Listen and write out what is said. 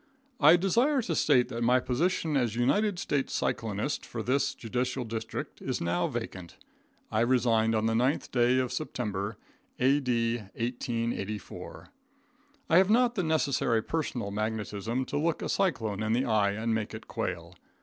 I desire to state that my position as United States Cyclonist for this Judicial District is now vacant. I resigned on the 9th day of September, A.D. 1884. I have not the necessary personal magnetism to look a cyclone in the eye and make it quail.